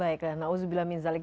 baiklah nauzubillah minzalik